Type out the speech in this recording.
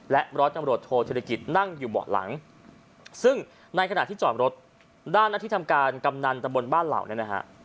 ร้อยตำรวจโทธิรกิจนั่งอยู่เบาะหลังซึ่งในขณะที่จอดรถด้านหน้าที่ทำการกำนันตะบนบ้านเหล่าเนี่ยนะฮะ